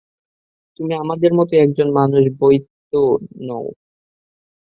তুমি আমাদেরই মত একজন মানুষ বৈ তো নও।